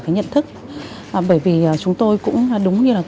bởi vì chúng tôi cũng đúng như là